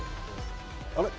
あれ？